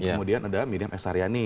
kemudian ada miriam s haryani